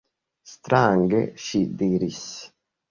Strange, ŝi diris.